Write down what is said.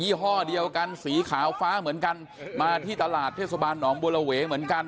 ี่ห้อเดียวกันสีขาวฟ้าเหมือนกันมาที่ตลาดเทศบาลหนองบัวระเวเหมือนกัน